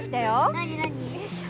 何何？